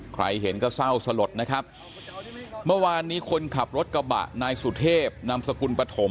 ใครเห็นก็เศร้าสลดนะครับเมื่อวานนี้คนขับรถกระบะนายสุเทพนามสกุลปฐม